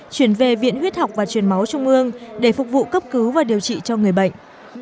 chuyển về viện huyết học và truyền máu trung ương để phục vụ cấp cứu và điều trị cho người bệnh